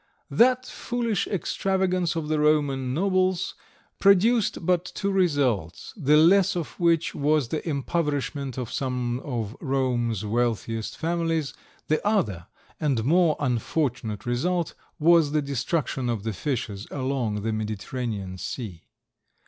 That foolish extravagance of the Roman nobles produced but two results, the less of which was the impoverishment of some of Rome's wealthiest families; the other and more unfortunate result was the destruction of the fishes along the Mediterranean Sea.